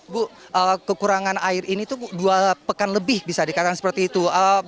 bu kekurangan air ini tuh dua pekan lebih bisa dikatakan seperti itu